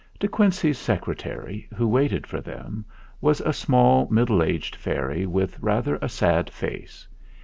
De Quincey's Secretary, who waited for them, was a small middle aged fairy with rather a sad face.